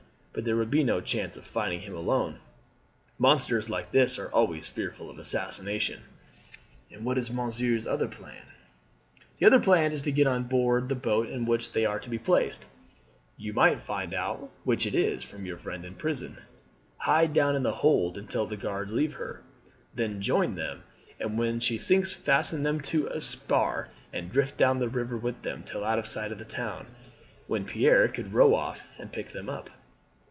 But there would be no chance of finding him alone. Monsters like this are always fearful of assassination." "And what is monsieur's other plan?" "The other plan is to get on board the boat in which they are to be placed you might find out which it is from your friend in prison hide down in the hold until the guards leave her; then join them; and when she sinks fasten them to a spar and drift down the river with them till out of sight of the town, when Pierre could row off and pick them up."